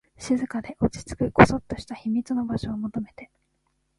静かで、落ち着く、こそっとした秘密の場所を求めて